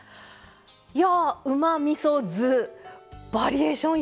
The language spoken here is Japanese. いやぁうまみそ酢バリエーション